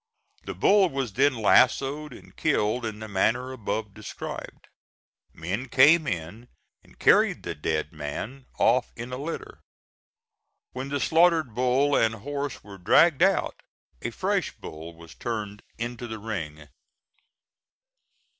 The bull was then lassoed and killed in the manner above described. Men came in and carried the dead man off in a litter. When the slaughtered bull and horse were dragged out, a fresh bull was turned into the ring.